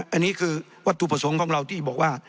อันนี้คือวัตถุประสงค์ของเราที่บอกว่า